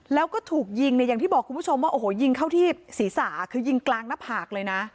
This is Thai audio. แล้วก็ถูกยิงเนี่ยอย่างที่บอกคุณผู้ชมว่าโอ้โหยิงเข้าที่ศีรษะคือยิงกลางหน้าผากเลยนะ